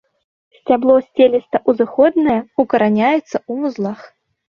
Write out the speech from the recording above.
Сцябло сцеліста-ўзыходнае, укараняецца ў вузлах.